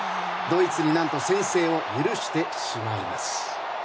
ドイツに何と先制を許してしまいます。